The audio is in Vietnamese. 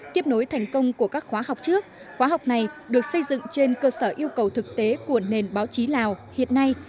tiếp nối thành công của các khóa học trước khóa học này được xây dựng trên cơ sở yêu cầu thực tế của nền báo chí lào hiện nay